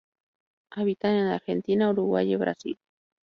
Habita en Argentina, Uruguay y Brasil.